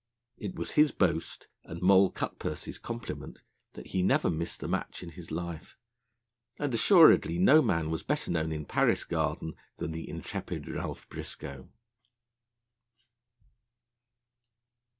It was his boast, and Moll Cutpurse's compliment, that he never missed a match in his life, and assuredly no man was better known in Paris Garden than the intrepid Ralph Briscoe.